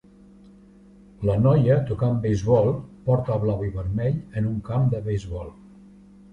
La noia tocant beisbol porta blau i vermell en un camp de beisbol.